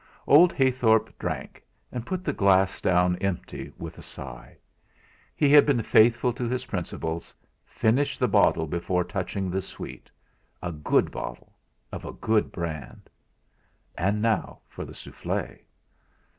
Old Heythorp drank, and put the glass down empty with a sigh. He had been faithful to his principles, finished the bottle before touching the sweet a good bottle of a good brand! And now for the souffle!